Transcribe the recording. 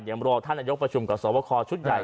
เดี๋ยวรอท่านนายกประชุมกับสวบคอชุดใหญ่